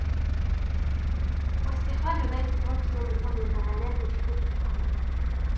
وَاسْتِخْرَاجُ ذَلِكَ مُمْكِنٌ بِفَضْلِ الْمُعَانَاةِ وَشِدَّةِ التَّأَمُّلِ